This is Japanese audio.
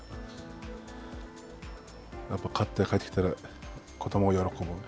やっぱり勝って帰ってきたら子どもは喜ぶ。